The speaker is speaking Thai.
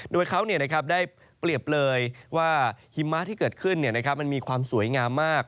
โดยเขาได้เปรียบเลยว่าหิมะที่เกิดขึ้นมันมีความสวยงามมาก